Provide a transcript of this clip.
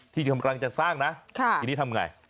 ที่กำลังจะสร้างนะทีนี้ทำไง